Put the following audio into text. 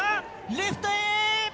レフトへ！